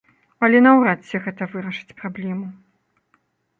Але наўрад ці гэта вырашыць праблему.